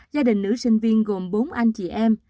gia đình nữ sinh viên gồm bốn anh chị em